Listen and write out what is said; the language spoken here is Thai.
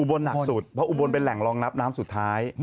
บนหนักสุดเพราะอุบลเป็นแหล่งรองรับน้ำสุดท้าย